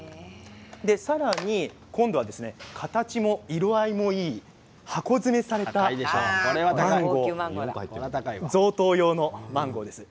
さらに今度は形も色合いもいい箱詰めされたマンゴー贈答用のマンゴーです。